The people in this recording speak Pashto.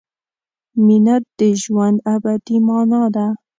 مینه د ژوند ابدي مانا ده.